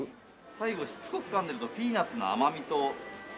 最後しつこく噛んでるとピーナツの甘みとうまみを。